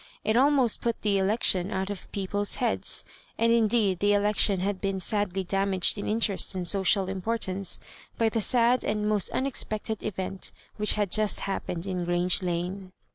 It almost put the election out of people's heads; and indeed the election had been sadly damaged in interest and social importance by the sad and most unex pected event which had just happened in Grange Lane.